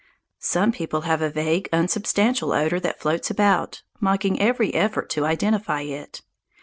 Some people have a vague, unsubstantial odour that floats about, mocking every effort to identify it.